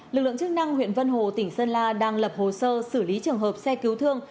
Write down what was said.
lực lượng chức năng huyện vân hồ tỉnh sơn la đang lập hồ sơ xử lý trường hợp xe cứu thương